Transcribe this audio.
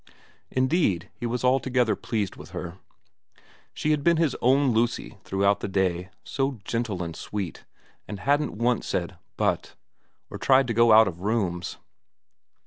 Indeed he was altogether pleased with her. She had been his own Lucy throughout the day, so gentle and sweet, and hadn't once said But, or tried to go out of rooms.